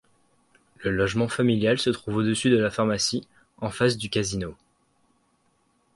Le logement familial se trouve au-dessus de la pharmacie, en face du Casino.